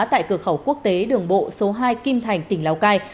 tại cửa khẩu quốc tế đường bộ số hai kim thành tỉnh lào cai